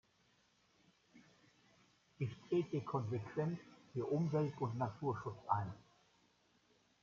Ich trete konsequent für Umwelt- und Naturschutz ein.